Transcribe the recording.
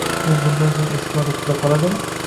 U bundan so'ng eski odatida qoladimi?